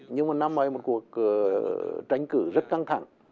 nhưng mà năm nay một cuộc tranh cử rất căng thẳng